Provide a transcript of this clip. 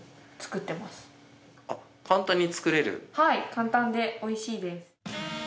簡単で美味しいです。